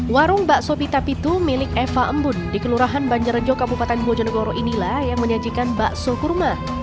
warung bakso pitapitu milik eva embun di kelurahan banjerejo kabupaten bojonegoro inilah yang menyajikan bakso kurma